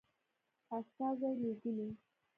استازي لېږلي.